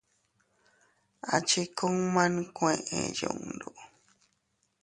A chi kuma nkuee yundu.